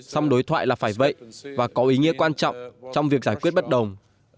xong đối thoại là phải vậy và có ý nghĩa quan trọng trong việc giải quyết bất đồng